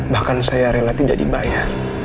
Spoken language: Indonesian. bahkan saya relatif tidak dibayar